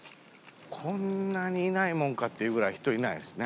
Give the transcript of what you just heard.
こんなにいないもんかっていうぐらい人いないですね。